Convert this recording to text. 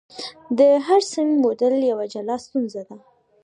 د هر سند موندل یوه جلا ستونزه وه.